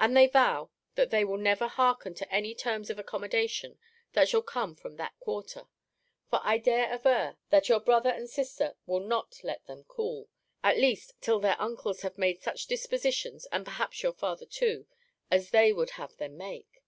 And they vow, that they will never hearken to any terms of accommodation that shall come from that quarter; for I dare aver, that your brother and sister will not let them cool at least, till their uncles have made such dispositions, and perhaps your father too, as they would have them make.